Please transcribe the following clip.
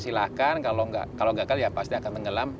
silakan kalau nggak kalau gagal ya pasti akan tenggelam